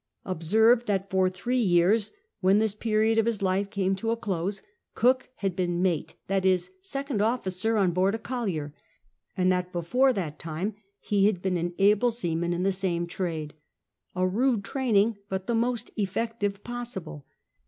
Observe that for three years, when this period of his life came to a close. Cook hml been mate, that is, second officer, on board a collier, and that before that time he had been an able seaman in the s;ime trade. A rude training, but the most effective possible.